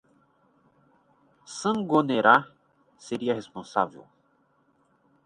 Sangonera seria responsável.